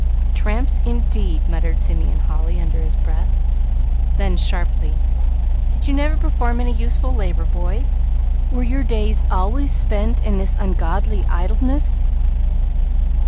"Tramps, indeed!" muttered Simeon Holly, under his breath. Then, sharply: "Did you never perform any useful labor, boy? Were your days always spent in this ungodly idleness?"